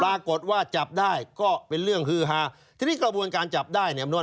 ปรากฏว่าจับได้ก็เป็นเรื่องฮือฮาทีนี้กระบวนการจับได้เนี่ย